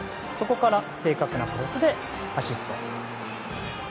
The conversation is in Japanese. そこから正確なクロスでアシスト。